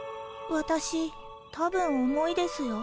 わたし多分重いですよ。